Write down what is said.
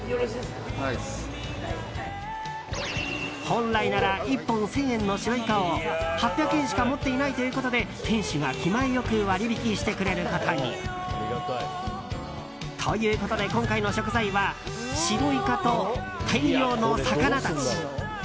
本来なら１本１０００円の白イカを８００円しか持っていないということで店主が、気前良く割引してくれることに。ということで今回の食材は白イカと大量の魚たち。